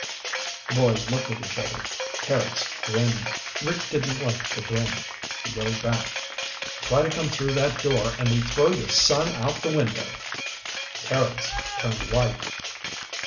The boys looked at each other. Carrots grinned. Rick didn't like the grin. He yelled back, "Try to come through that door and we throw your son out the window!" Carrots turned white.